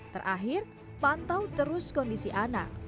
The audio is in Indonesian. terakhir pantau terus kondisi anak